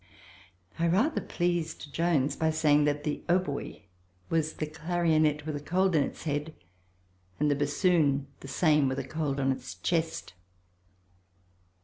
I rather pleased Jones by saying that the hautbois was the clarionet with a cold in its head, and the bassoon the same with a cold on its chest.